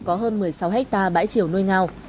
có hơn một mươi sáu hectare bãi chiều nuôi ngao